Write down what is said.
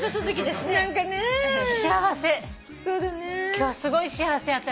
今日すごい幸せ私。